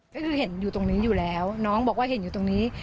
ก็คือเห็นอยู่ตรงนี้อยู่แล้วน้องบอกว่าเห็นอยู่ตรงนี้